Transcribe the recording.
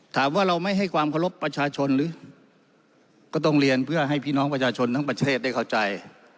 ถามว่าเราไม่ให้ความเคารพประชาชนหรือก็ต้องเรียนเพื่อให้พี่น้องประชาชนทั้งประเทศได้เข้าใจ